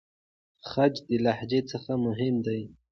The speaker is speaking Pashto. خج د لهجې څخه مهم دی.